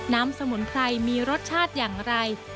สมุนไพรมีรสชาติอย่างไร